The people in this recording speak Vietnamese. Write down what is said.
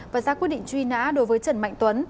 và ra quyết định truy nã đối với trần mạnh tuấn